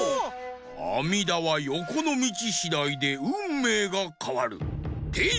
あみだはよこのみちしだいでうんめいがかわる！てい！